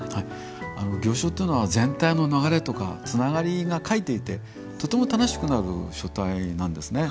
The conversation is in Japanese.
行書というのは全体の流れとかつながりが書いていてとても楽しくなる書体なんですね。